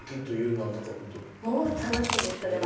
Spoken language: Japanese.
もう楽しいですそれは。